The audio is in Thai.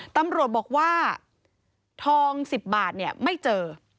ตำรวจบอกว่าทอง๑๐บาทไม่เจอ